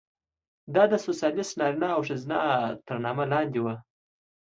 دا د سوسیالېست نارینه او ښځه تر نامه لاندې وه.